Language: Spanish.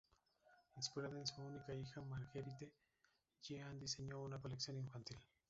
Inspirada en su única hija Marguerite, Jeanne diseñó una colección infantil.